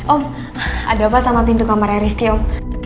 om ada apa sama pintu kamarnya rifqi om